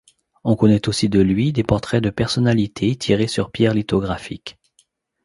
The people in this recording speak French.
On connaît aussi de lui des portraits de personnalités tirés sur pierre lithographique.